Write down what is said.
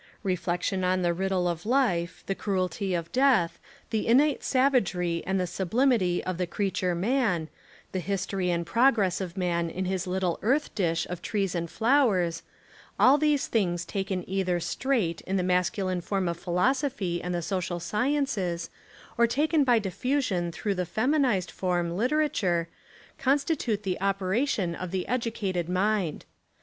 Reflexion on the rid dle of life, the cruelty of death, the innate sav agery and the sublimity of the creature man, the history and progress of man In his little earth dish of trees and flowers, — all these things taken either "straight" in the masculine form of philosophy and the social sciences, or taken by diffusion through the feminised form 19 Essays and Literary Studies literature, constitute the operation of the edu cated mind.